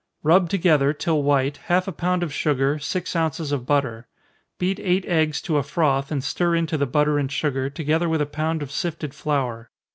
_ Rub together, till white, half a pound of sugar, six ounces of butter. Beat eight eggs to a froth, and stir into the butter and sugar, together with a pound of sifted flour.